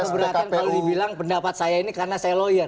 keberatan kalau dibilang pendapat saya ini karena saya lawyer